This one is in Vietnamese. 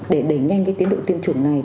để đẩy nhanh cái tiến đội tiêm chủng này